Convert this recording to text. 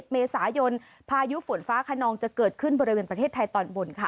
เมษายนพายุฝนฟ้าขนองจะเกิดขึ้นบริเวณประเทศไทยตอนบนค่ะ